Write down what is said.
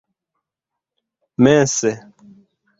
mense